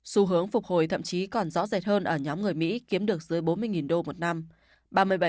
xu hướng phục hồi thậm chí còn rõ rệt hơn ở nhóm người mỹ kiếm được dưới bốn mươi đô một năm